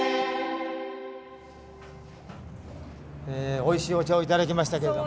おいしいお茶をいただきましたけれども。